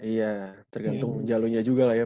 iya tergantung jalurnya juga lah ya